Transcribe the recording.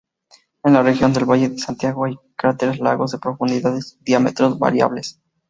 En la región del Valle de Santiago hay cráteres-lagos, de profundidades y diámetros variables.